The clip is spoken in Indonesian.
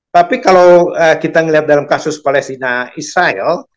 tapi kalau kita melihat dalam kasus palestina israel